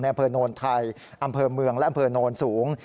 อำเภอโนนไทยอำเภอเมืองและอำเภอโนนสูง